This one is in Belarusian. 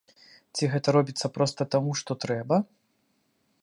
Ці гэта робіцца проста таму, што трэба?